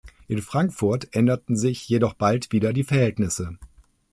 In Frankfurt änderten sich jedoch bald wieder die Verhältnisse.